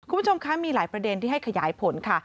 คุณผู้ชมคะมีหลายประเด็นที่ให้ขยายผลค่ะ